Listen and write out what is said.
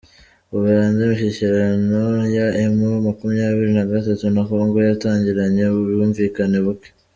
Uganda Imishyikirano ya emu makumyabiri nagatatu na kongo yatangiranye ubwumvikane buke